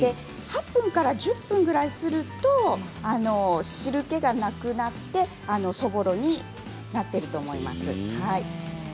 ８分から１０分ほどすると汁けがなくなってそぼろになっていると思います。